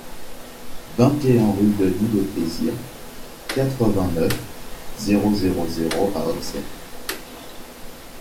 vingt et un rue de l'Île aux Plaisirs, quatre-vingt-neuf, zéro zéro zéro à Auxerre